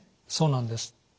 そうなんです。